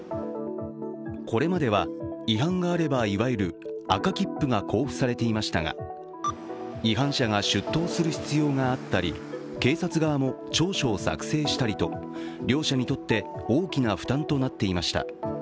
これまでは違反があればいわゆる赤切符が交付されていましたが違反者が出頭する必要があったり警察側も調書を作成したりと両者にとって大きな負担となっていました。